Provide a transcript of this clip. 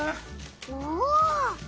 おお！